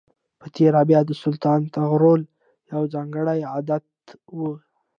په تېره بیا د سلطان طغرل یو ځانګړی عادت و.